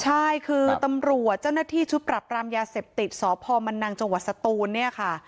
ใช่คือตำรวจเจ้าหน้าที่ชุดปรับรามยาเสพติดสพมันนังจังหวัดสตูนเนี่ยค่ะ